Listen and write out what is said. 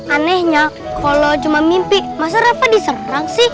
anehnya kalo cuma mimpi masa rafa diserang sih